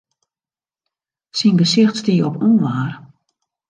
Syn gesicht stie op ûnwaar.